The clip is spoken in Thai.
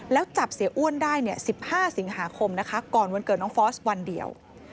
แล้วจับเสียอ้วนได้๑๕สิงหาคมนะคะก่อนวันเกิดน้องฟอสวันเดียว